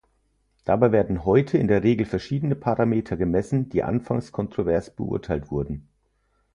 Dabei werden heute in der Regel verschiedene Parameter gemessen, die anfangs kontrovers beurteilt wurden.